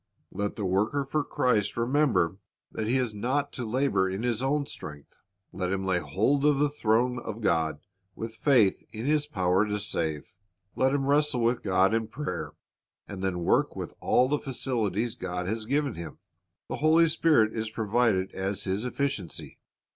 Let the worker for Christ remember that he is not to labor in his own strength. Let him lay hold of the throne of God with faith in His power to save. Let him wrestle with God in prayer, and then work with all the facilities God has given him. The Holy Spirit is provided as his efficiency.